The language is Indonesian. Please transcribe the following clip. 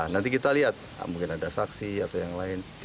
nanti kita lihat mungkin ada saksi atau yang lain